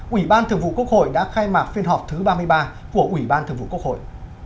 ủy ban thường vụ quốc hội đã khai mạc phiên họp thứ ba mươi ba của ủy ban thường vụ quốc hội